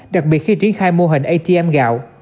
đặc biệt khi triển khai mô hình atm gạo